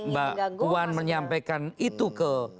mbak puan menyampaikan itu ke